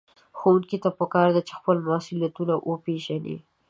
ښوونکي ته پکار ده چې خپل مسؤليت وپېژني.